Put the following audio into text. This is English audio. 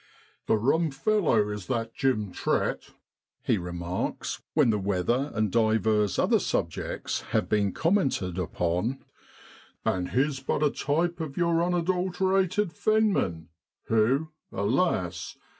108 OCTOBER IN BROADBAND. * A rum fellow is that Jim Trett,' he remarks, when the weather and divers other subjects have been commented upon, 'and he's but a type of your unadulterated fenmen, who, alas!